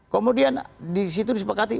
kemudian di situ disepakati